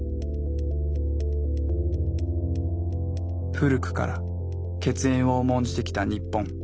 古くから血縁を重んじてきた日本。